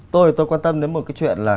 tôi quan tâm đến một cái chuyện là